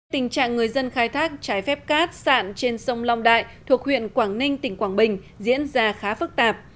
tình trạng người dân khai thác trái phép cát sạn trên sông long đại thuộc huyện quảng ninh tỉnh quảng bình diễn ra khá phức tạp